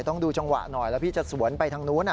ต้องดูจังหวะหน่อยแล้วพี่จะสวนไปทางนู้น